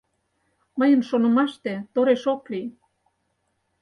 Мыйын шонымаште тореш ок лий.